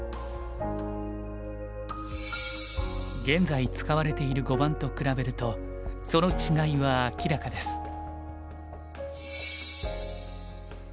現在使われている碁盤と比べるとその違いは明らかです。